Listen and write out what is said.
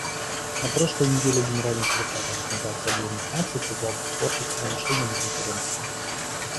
На прошлой неделе Генеральный секретарь Организации Объединенных Наций призвал к творческому мышлению на Конференции.